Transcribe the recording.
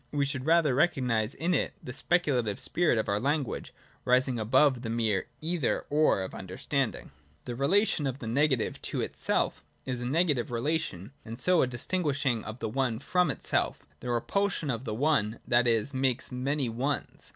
(We should rather recognise in it the speculative spirit of our language rising above the mere ' Either — or ' of understandingj 97.] (/3) The relation of the negative to itself is a negative relation, and so a distinguishing of the One from itself, the repulsion of the One ; that is, it makes Many Ones.